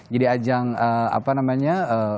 jadi ajang apa namanya